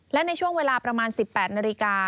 และในช่วงเวลาประมาณ๑๘นาฬิกา